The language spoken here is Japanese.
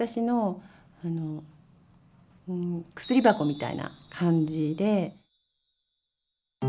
みたいな感じで。